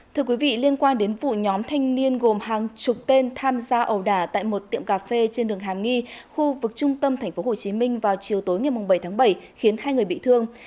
thưa quý vị liên quan đến vụ nhóm thanh niên gồm hàng chục tên tham gia ẩu đả tại một tiệm cà phê trên đường hàm nghi khu vực trung tâm tp hcm vào chiều tối ngày bảy tháng bảy khiến hai người bị thương